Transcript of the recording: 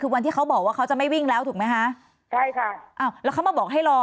คือวันที่เขาบอกว่าเขาจะไม่วิ่งแล้วถูกไหมคะใช่ค่ะอ้าวแล้วเขามาบอกให้รอ